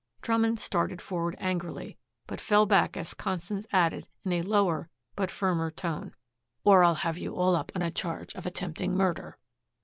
Drummond started forward angrily, but fell back as Constance added in a lower but firmer tone, "Or I'll have you all up on a charge of attempting murder."